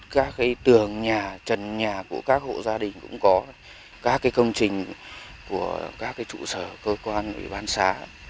các tường nhà trần nhà của các hộ gia đình cũng có các công trình của các trụ sở cơ quan ủy ban xã